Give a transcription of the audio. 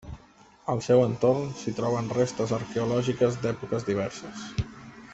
Al seu entorn s’hi troben restes arqueològiques d’èpoques diverses.